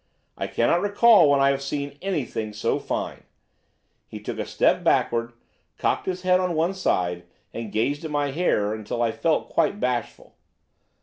I cannot recall when I have seen anything so fine.' He took a step backward, cocked his head on one side, and gazed at my hair until I felt quite bashful.